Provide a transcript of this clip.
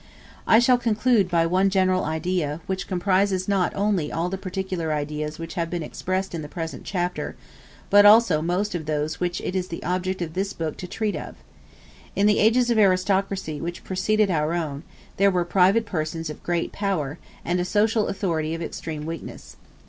I shall conclude by one general idea, which comprises not only all the particular ideas which have been expressed in the present chapter, but also most of those which it is the object of this book to treat of. In the ages of aristocracy which preceded our own, there were private persons of great power, and a social authority of extreme weakness.